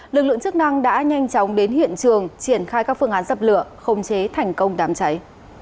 lực lượng chức năng đã nhanh chóng đến hiện trường triển khai các phương án dập lửa không chế thành công đám cháy